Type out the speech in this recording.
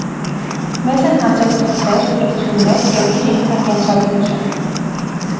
Մեզ են հասել թղթեր, գրություններ և իր ինքնակենսագրությունը։